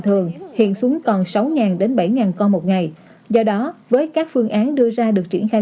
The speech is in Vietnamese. thường hiện xuống còn sáu đến bảy con một ngày do đó với các phương án đưa ra được triển khai